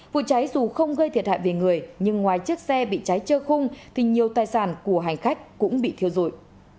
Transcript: vụ cháy dù không gây thiệt hại về người nhưng ngoài chiếc xe bị cháy trơ khung thì nhiều tài sản của hành khách cũng bị thiêu dụi